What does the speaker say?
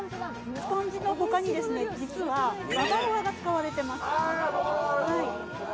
スポンジの他に実はババロアが使われてます。